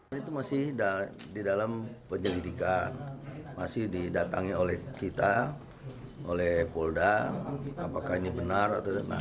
ini masih di dalam penyelidikan masih didatangi oleh kita oleh polda apakah ini benar